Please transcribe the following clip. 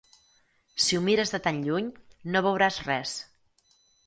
Si ho mires de tan lluny, no veuràs res.